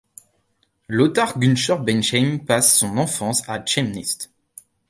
Lothar-Günther Buchheim passe son enfance à Chemnitz.